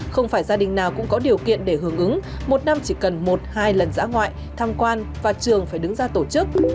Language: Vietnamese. không phải gia đình nào cũng có điều kiện để hưởng ứng một năm chỉ cần một hai lần giã ngoại tham quan và trường phải đứng ra tổ chức